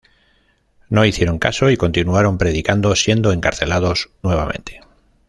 No hicieron caso y continuaron predicando, siendo encarcelados nuevamente.